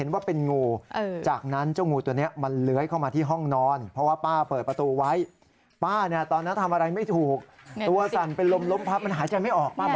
ป้าบอกแบบนี้ดินเยอะจริงนะฮะคุณป้า